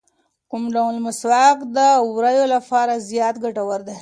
کوم ډول مسواک د ووریو لپاره زیات ګټور دی؟